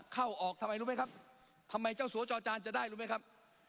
เข้าออกทำไมรู้ไหมครับทำไมเจ้าสัวจอจานจะได้รู้ไหมครับ